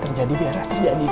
terjadi biar tak terjadi